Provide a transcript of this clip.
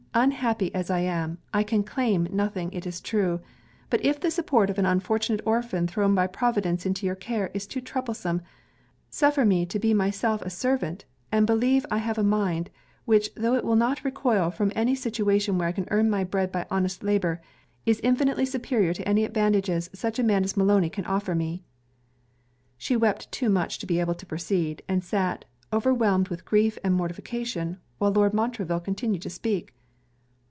unhappy as I am, I can claim nothing, it is true; but if the support of an unfortunate orphan, thrown by Providence into your care, is too troublesome, suffer me to be myself a servant; and believe I have a mind, which tho' it will not recoil from any situation where I can earn my bread by honest labour, is infinitely superior to any advantages such a man as Maloney can offer me!' She wept too much to be able to proceed; and sat, overwhelmed with grief and mortification, while Lord Montreville continued to speak.